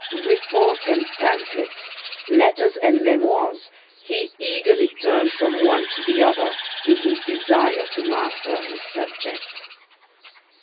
Reports and pamphlets, letters and memoirs, he eagerly turned from one to the other, in his desire to master his subject.